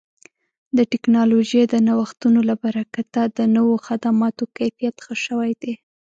د ټکنالوژۍ د نوښتونو له برکته د نوو خدماتو کیفیت ښه شوی دی.